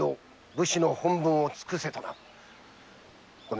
武士の本分を尽くせとな。ごめん。